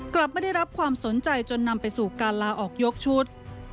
กลับไม่ได้รับความสนใจจนนำไปสู่การลาออกยกชุด